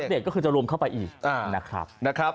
เด็กก็คือจะรวมเข้าไปอีกนะครับ